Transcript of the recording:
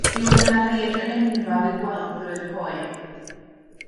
Mi oedd yna raeadr enfawr i'w gweld drwy'r coed.